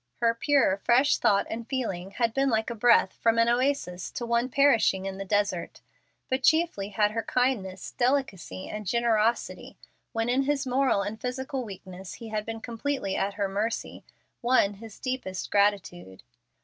Her pure, fresh thought and feeling had been like a breath from an oasis to one perishing in the desert. But chiefly had her kindness, delicacy, and generosity, when in his moral and physical weakness he had been completely at her mercy, won his deepest gratitude.